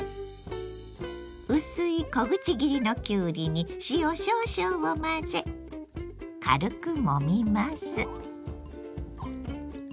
薄い小口切りのきゅうりに塩少々を混ぜ軽くもみます。